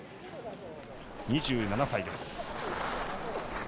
２７歳です。